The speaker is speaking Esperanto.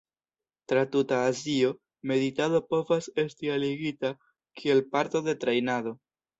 Tra tuta Azio, meditado povas esti aligita kiel parto de trejnado.